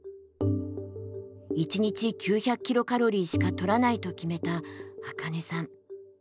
一日９００キロカロリーしかとらないと決めたアカネさん。